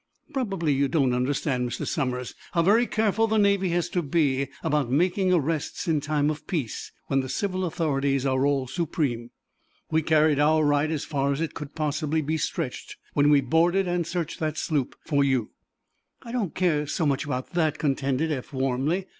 "Probably you don't understand, Mr. Somers, how very careful the Navy has to be about making arrests in times of peace, when the civil authorities are all supreme. We carried our right as far as it could possibly be stretched when we boarded and searched that sloop for you." "I don't care so much about that," contended Eph, warmly.